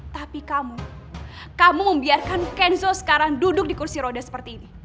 tapi kamu kamu membiarkan kenzo sekarang duduk di kursi roda seperti ini